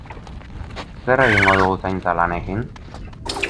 Zer egingo dugu zaintza lanekin?